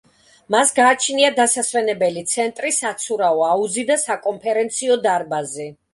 მას გააჩნია დასასვენებელი ცენტრი, საცურაო აუზი და საკონფერენციო დარბაზი.